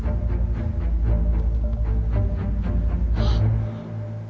あっ！